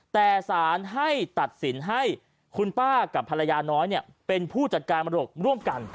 แต่สารให้ตัดสินให้คุณป้ากับภรรยาน้อยเป็นผู้จัดการมรดกร่วมกัน